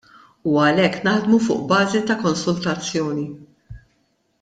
U għalhekk naħdmu fuq bażi ta' konsultazzjoni.